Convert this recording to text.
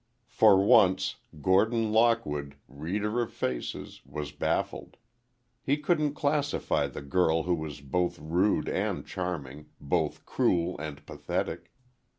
For once, Gordon Lockwood, reader of faces, was baffled. He couldn't classify the girl who was both rude and charming, both cruel and pathetic.